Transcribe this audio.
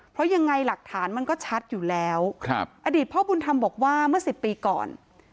เพราะยังไงหลักฐานมันก็ชัดอยู่แล้วอดีตพ่อบุญธรรมบอกว่าเมื่อ๑๐ปีก่อน